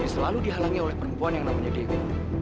selalu dihalangi oleh perempuan yang namanya dewi